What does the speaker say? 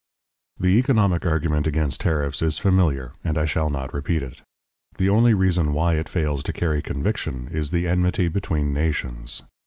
The economic argument against tariffs is familiar, and I shall not repeat it. The only reason why it fails to carry conviction is the enmity between nations.